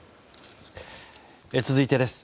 続いてです。